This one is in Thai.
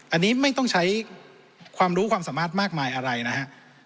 อันนี้ไม่ต้องใช้ความรู้ความสามารถมากมายอะไรนะฮะ